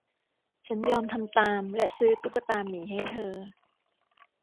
ฉันยอมทำตามและซื้อตุ๊กตาหมีให้เธอ